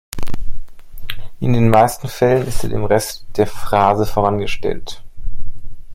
In den meisten Fällen ist er dem Rest der Phrase vorangestellt.